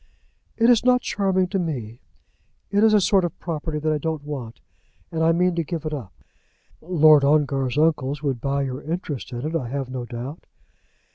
"It is not charming to me. It is a sort of property that I don't want, and I mean to give it up." "Lord Ongar's uncles would buy your interest in it, I have no doubt."